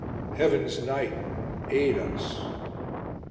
"Heaven's Knight, aid us!"